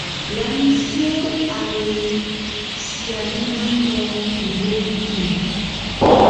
Yamɛ̀á isǝ́ á lɛ̀ sianɛnatɔ̀ buluǝ́ bukimǝ.